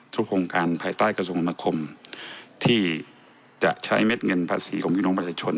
โครงการภายใต้กระทรวงคมนาคมที่จะใช้เม็ดเงินภาษีของพี่น้องประชาชน